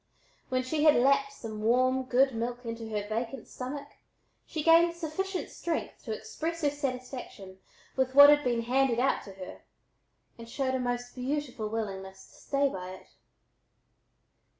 When she had lapped some good warm milk into her vacant stomach she gained sufficient strength to express her satisfaction with what had been "handed out to her," and showed a most beautiful willingness to stay by it.